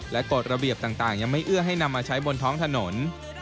กฎระเบียบต่างยังไม่เอื้อให้นำมาใช้บนท้องถนน